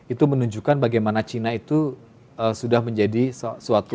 itu menunjukkan bagaimana cina itu sudah menjadi suatu